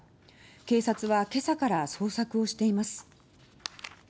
警察は今朝から捜索をしています。